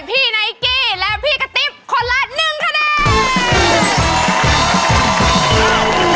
พี่ไนกี้และพี่กะติ๊บคนละ๑คะเดียว